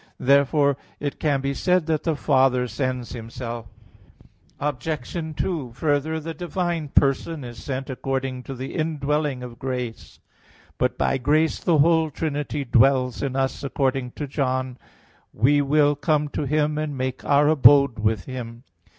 Therefore it can be said that the Father sends Himself. Obj. 2: Further, the divine person is sent according to the indwelling of grace. But by grace the whole Trinity dwells in us according to John 14:23: "We will come to him and make Our abode with him."